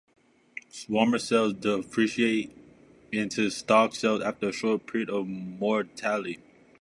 Swarmer cells differentiate into stalked cells after a short period of motility.